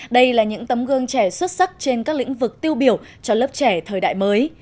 đây là những tấm gương trẻ xuất sắc trên các lĩnh vực tiêu biểu cho lớp trẻ thời đại mới